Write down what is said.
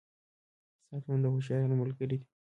• ساعتونه د هوښیارانو ملګري دي.